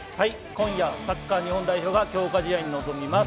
今夜、サッカー日本代表が強化試合に臨みます。